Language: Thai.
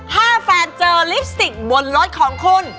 ถ้าแฟนเจอลิปสติกบนรถของคุณ